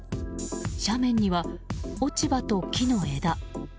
斜面には、落ち葉と木の枝。